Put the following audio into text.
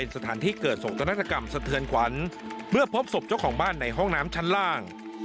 สถานที่เกิดสงกนาฏกรรมสะเทือนขวัญเมื่อพบศพเจ้าของบ้านในห้องน้ำชั้นล่าง